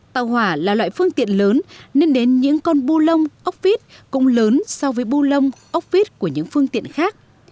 tàu hỏa là loại phương tiện lớn nên đến những con bu lông ốc vít cũng lớn so với bù lông ốc vít của những phương tiện khác